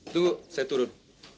tunggu saya turun